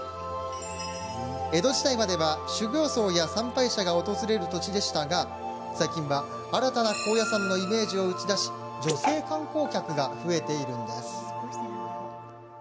江戸時代までは修行僧や参拝者が訪れる土地でしたが最近は、新たな高野山のイメージを打ち出し女性観光客が増えているんです。